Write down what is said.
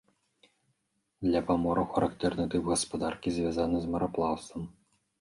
Для памораў характэрны тып гаспадаркі, звязаны з мараплаўствам.